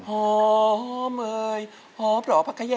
หอมเยออบหลอกปากแขยง